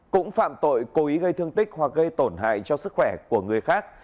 cũng phạm tội cố ý gây thương tích hoặc gây tổn hại cho sức khỏe của người khác